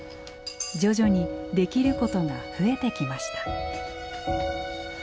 徐々にできることが増えてきました。